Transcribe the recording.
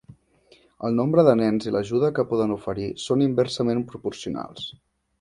El nombre de nens i l'ajuda que poden oferir són inversament proporcionals.